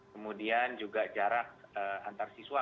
kemudian juga jarak antarsiswa